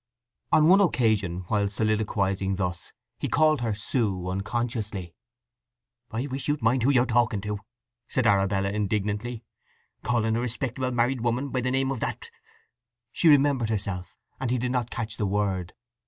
On one occasion while soliloquizing thus he called her "Sue" unconsciously. "I wish you'd mind who you are talking to!" said Arabella indignantly. "Calling a respectable married woman by the name of that—" She remembered herself and he did not catch the word.